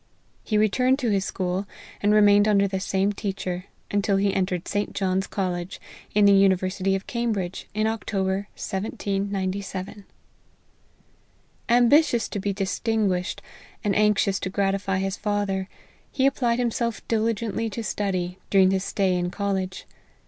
He returned to his school, and remained under the same teacher, until he entered St. John's college, in the university of Cambridge, in October, 1797. Ambitious to be distinguished, and anxious to gratify his father, he applied himself diligently to study during his stay in college.